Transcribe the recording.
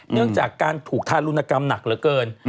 เนื่องจากการถูกทารุณกรรมหนักเหลือเกิน